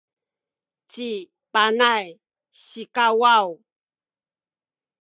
ci Panay sikawaw